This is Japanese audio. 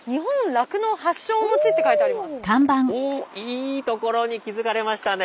おっいい所に気付かれましたね。